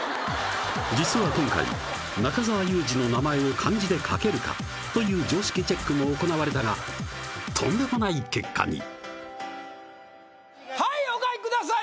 実は今回中澤佑二の名前を漢字で書けるかという常識チェックも行われたがとんでもない結果にはいお書きください